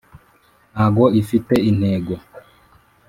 ntago ifite intego.